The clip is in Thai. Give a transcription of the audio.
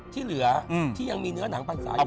ที่เหลือที่ยังมีเนื้อหนังพรรษาอยู่